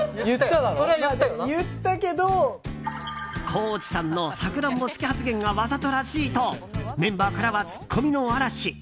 高地さんのサクランボ好き発言がわざとらしい！とメンバーからはツッコミの嵐。